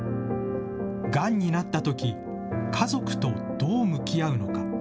がんになったとき、家族とどう向き合うのか。